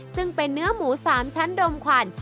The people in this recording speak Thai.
ซึ่งเป็นเนื้อหมู๓ชั้นดมขวัญ